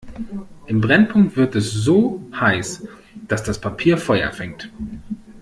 Im Brennpunkt wird es so heiß, dass das Papier Feuer fängt.